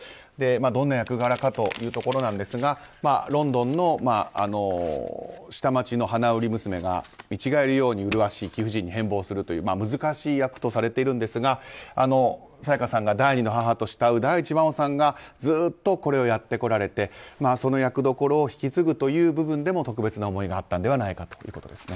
どんな役柄かというところですがロンドンの下町の花売り娘が見違えるように麗しい貴婦人に変貌するという難しい役とされているんですが沙也加さんが第２の母と慕う大地真央さんがずっとこれをやってこられてその役どころを引き継ぐという部分でも特別な思いがあったのではないかということですね。